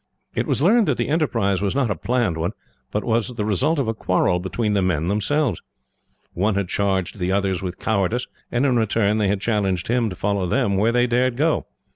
It was learned that the enterprise was not a planned one, but was the result of a quarrel between the men, themselves. One had charged the others with cowardice, and in return they had challenged him to follow them where they dared go.